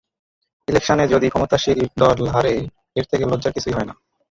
ইলেকশনে যদি ক্ষমতাশীল দল হারে এর থেকে লজ্জার কিছুই হয় না।